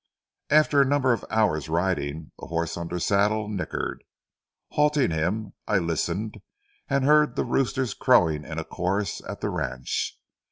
After a number of hours' riding, the horse under saddle nickered. Halting him, I listened and heard the roosters crowing in a chorus at the ranch.